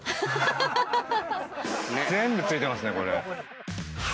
全部付いてますねこれ。